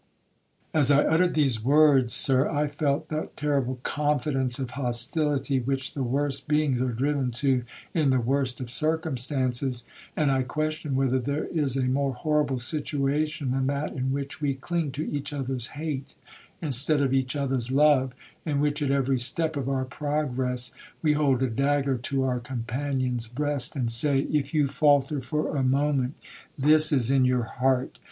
'As I uttered these words, Sir, I felt that terrible confidence of hostility which the worst beings are driven to in the worst of circumstances, and I question whether there is a more horrible situation than that in which we cling to each other's hate, instead of each other's love,—in which, at every step of our progress, we hold a dagger to our companion's breast, and say, 'If you faulter for a moment, this is in your heart.